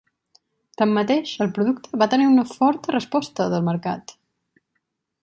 Tanmateix, el producte va tenir una forta resposta del mercat.